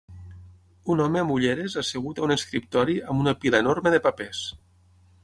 Un home amb ulleres assegut a un escriptori amb una pila enorme de papers.